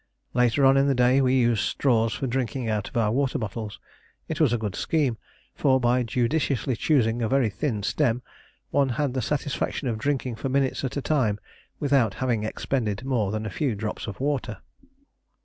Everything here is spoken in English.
Later on in the day we used straws for drinking out of our water bottles. It was a good scheme, for, by judiciously choosing a very thin stem, one had the satisfaction of drinking for minutes at a time without having expended more than a few drops of water.